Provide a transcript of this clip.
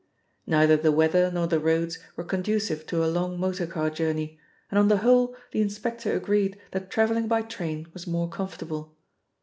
Neither the weather nor the roads were conducive to a long motor car journey, and on the whole the inspector agreed that travelling by train was more comfortable.